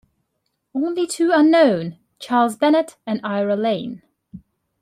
Only two are known: Charles Bennett and Ira Lane.